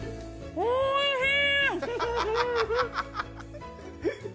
おいしい！